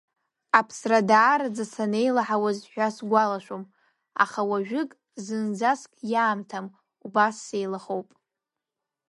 Аԥсра даараӡа санеилаҳауаз ҳәа сгәалашәом, аха уажәык зынӡаск иаамҭам, убас сеилахоуп.